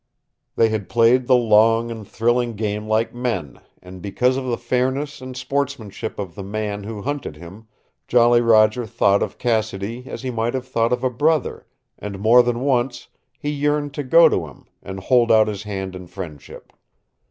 They had played the long and thrilling game like men, and because of the fairness and sportsmanship of the man who hunted him Jolly Roger thought of Cassidy as he might have thought of a brother, and more than once he yearned to go to him, and hold out his hand in friendship.